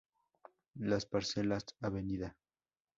Las Parcelas, Av.